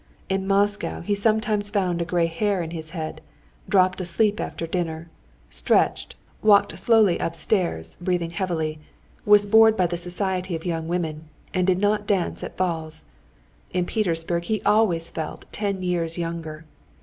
In Moscow he sometimes found a gray hair in his head, dropped asleep after dinner, stretched, walked slowly upstairs, breathing heavily, was bored by the society of young women, and did not dance at balls. In Petersburg he always felt ten years younger.